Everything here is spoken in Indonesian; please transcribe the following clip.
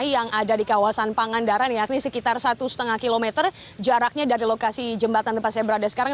yang ada di kawasan pangandaran yakni sekitar satu lima km jaraknya dari lokasi jembatan tempat saya berada sekarang